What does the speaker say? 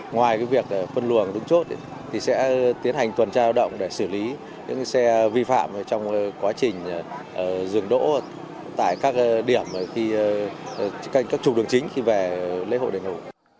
ngoài việc phân luận đúng chốt sẽ tiến hành tuần trao động để xử lý những xe vi phạm trong quá trình dường đỗ tại các điểm các trục đường chính khi về lễ hội đền hồ